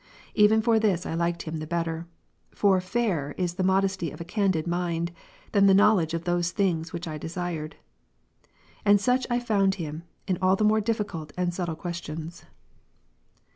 Even for this I liked him the better. For fairer is the modesty of a candid mind, than the knowledge of those things which I desired "; and such I found him, in all the more difficult and subtile questions.